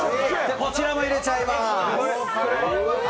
こちらも入れちゃいます。